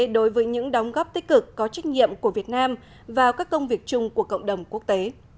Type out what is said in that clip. đối với những đóng góp tích cực có trách nhiệm của việt nam vào các công việc chung của cộng đồng quốc tế